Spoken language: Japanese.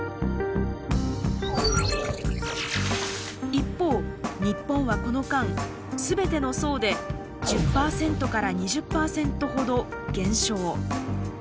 一方日本はこの間全ての層で１０％から２０％ほど減少。